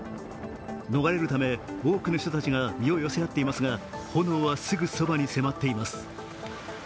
逃れるため、多くの人たちが身を寄せ合っていますが、炎はすぐそばに迫っています。